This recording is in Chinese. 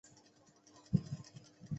吴郡墓的历史年代为清。